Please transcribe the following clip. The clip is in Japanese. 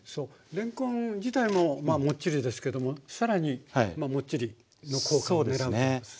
れんこん自体もまあもっちりですけども更にまあもっちりの効果を狙うんですね？